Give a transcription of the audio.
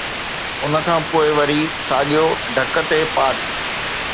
ان کان پوءِ وري ساڳيو ڍڪ ٽي پاٽ.